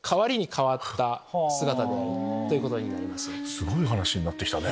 すごい話になってきたね。